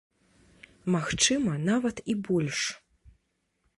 Магчыма, нават і больш.